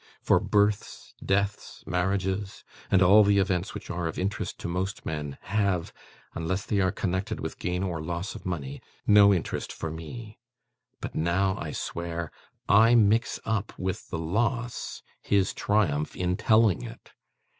For births, deaths, marriages, and all the events which are of interest to most men, have (unless they are connected with gain or loss of money) no interest for me. But now, I swear, I mix up with the loss, his triumph in telling it.